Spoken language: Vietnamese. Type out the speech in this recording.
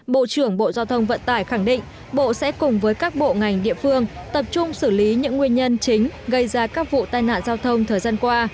bộ trưởng bộ giao thông vận tải khẳng định bộ sẽ cùng với các bộ ngành địa phương tập trung xử lý những nguyên nhân chính gây ra các vụ tai nạn giao thông thời gian qua